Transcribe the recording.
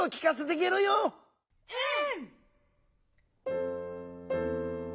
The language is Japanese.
うん！